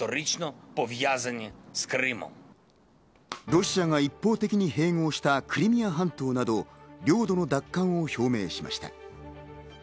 ロシアが一方的に併合したクリミア半島など、領土の奪還を表明しました。